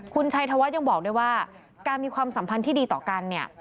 คุณชัยธวัฒน์ยังบอกด้วยว่าการมีความสัมพันธ์ที่ดีต่อกันเนี่ย